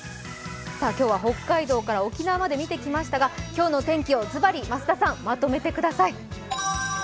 北海道から沖縄まで見てきましたが、今日の天気をずばり増田さん、まとめてください。